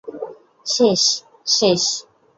শেষ, শেষ।